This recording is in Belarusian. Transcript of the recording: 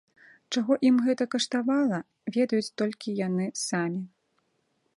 Чаго ім гэта каштавала, ведаюць толькі яны самі.